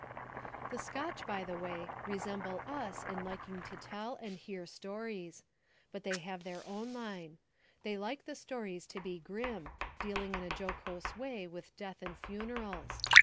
The Scotch, by the way, resemble us in liking to tell and hear stories. But they have their own line. They like the stories to be grim, dealing in a jocose way with death and funerals.